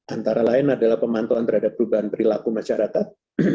antara lain adalah pemantauan terhadap perubahan perilaku masyarakat